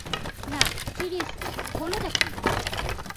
না, সিরিয়াসলি, হলোটা কী?